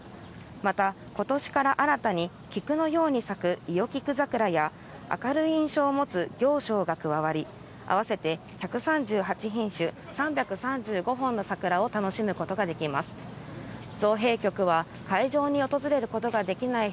また今年から新たに菊のように咲く伊予菊桜や、明るい印象を持つ暁鐘が加わり、合わせて１３８品種、３３５本の桜を楽しむことができます。